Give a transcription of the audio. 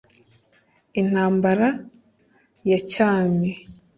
intambara ya cyami